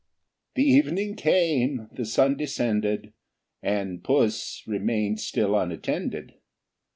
The evening came, the sun descended, And puss remained still unattended.